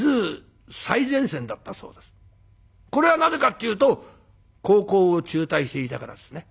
これはなぜかっていうと高校を中退していたからですね。